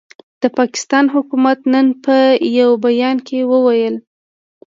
د پاکستان حکومت نن په یوه بیان کې وویل،